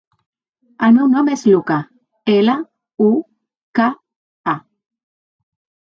El meu nom és Luka: ela, u, ca, a.